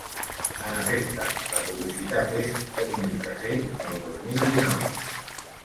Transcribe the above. En efecte, la publicitat és omnipresent el dos mil dinou.